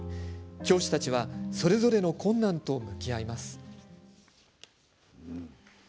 教師たちはそれぞれの困難と向き合います。